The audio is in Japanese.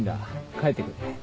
帰ってくれ。